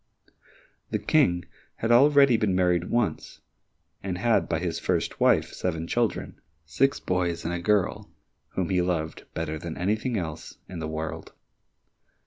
The King had already been married once, and had by his first wife, seven children, six boys and a girl, whom he loved better than anything else in the world.